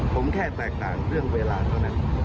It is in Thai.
ผมแค่แตกต่างเรื่องเวลาเท่านั้น